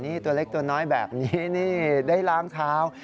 นี่ตัวเล็กตัวน้อยแบบนี้ได้ล้างคาว